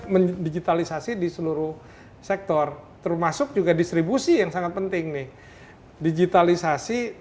mendigitalisasi di seluruh sektor termasuk juga distribusi yang sangat penting nih digitalisasi